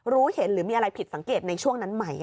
รู้เห็นหรือมีอะไรผิดสังเกตในช่วงนั้นไหม